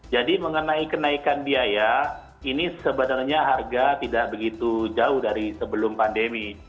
jadi mengenai kenaikan biaya ini sebenarnya harga tidak begitu jauh dari sebelum pandemi